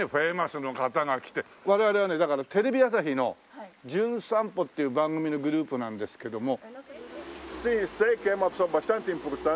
我々はねだからテレビ朝日の『じゅん散歩』っていう番組のグループなんですけども。